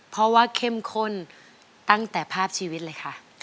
เพราะว่าเข้มข้นตั้งแต่ภาพชีวิตเลยค่ะ